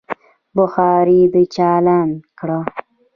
بخارۍ چالانده کړه.